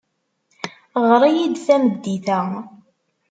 Ɣer-iyi-d tameddit-a.